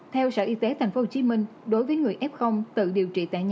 theo sở y tế tp hcm đối với người f tự điều trị tại nhà